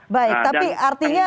baik tapi artinya